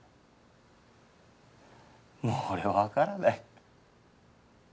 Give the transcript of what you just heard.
もう俺わからない。